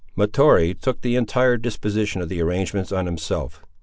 Mahtoree took the entire disposition of the arrangements on himself.